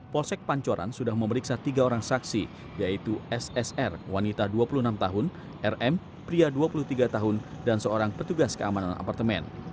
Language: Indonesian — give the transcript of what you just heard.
polsek pancoran sudah memeriksa tiga orang saksi yaitu ssr wanita dua puluh enam tahun rm pria dua puluh tiga tahun dan seorang petugas keamanan apartemen